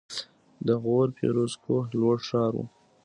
د غور فیروزکوه لوړ ښار و